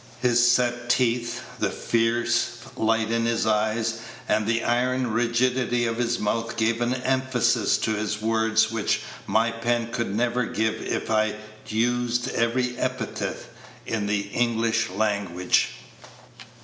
His set teeth, the fierce light in his eyes, and the iron rigidity of his mouth gave an emphasis to his words which my pen could never give if I used every epithet in the English language.